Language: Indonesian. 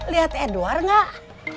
lihat edward gak